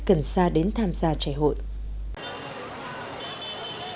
cần xa đến tham gia trải hội